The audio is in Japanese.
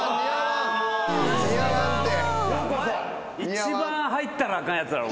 一番入ったらあかんやつら。